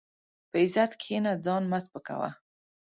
په عزت کښېنه، ځان مه سپکاوه.